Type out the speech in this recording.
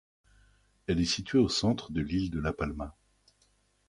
Elle est située au centre de l'île de La Palma.